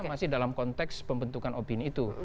masih dalam konteks pembentukan opini itu